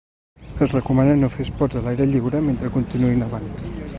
Es recomana no fer esports a l’aire lliure mentre continuï nevant.